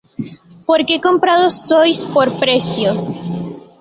Porque comprados sois por precio: